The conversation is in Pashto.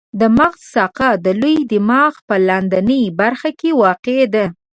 د مغز ساقه د لوی دماغ په لاندنۍ برخه کې واقع ده.